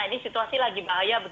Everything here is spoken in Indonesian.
ini situasi lagi bahaya